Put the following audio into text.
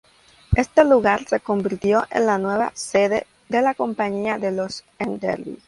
Este lugar se convirtió en la nueva sede de la compañía de los Enderby.